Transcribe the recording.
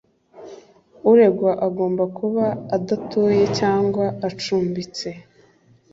uregwa agomba kuba adatuye cyangwa acumbitse